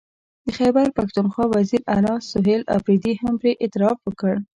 د خیبر پښتونخوا وزیر اعلی سهیل اپريدي هم پرې اعتراف وکړ